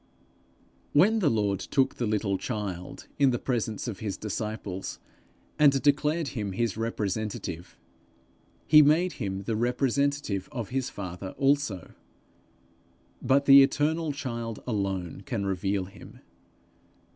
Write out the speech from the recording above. When the Lord took the little child in the presence of his disciples, and declared him his representative, he made him the representative of his father also; but the eternal child alone can reveal him.